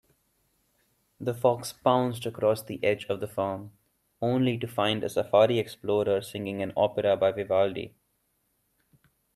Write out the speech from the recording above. The fox pounced across the edge of the farm, only to find a safari explorer singing an opera by Vivaldi.